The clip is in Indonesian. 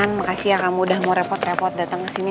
terima kasih ya kamu udah mau repot repot dateng kesini